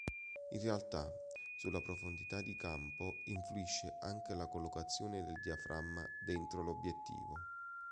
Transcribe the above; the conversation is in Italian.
In realtà, sulla profondità di campo influisce anche la collocazione del diaframma dentro l'obiettivo.